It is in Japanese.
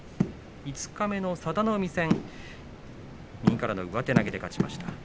五日目の佐田の海戦右からの上手投げで勝ちました。